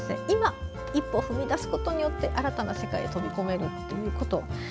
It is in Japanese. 今、一歩踏み出すことによって新たな世界に飛び込めるということ。